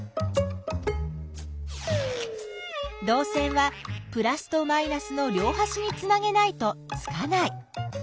どう線はプラスとマイナスの両はしにつなげないとつかない。